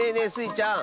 ちゃん